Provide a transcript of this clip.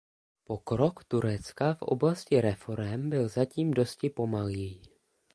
Pokrok Turecka v oblasti reforem byl zatím dosti pomalý.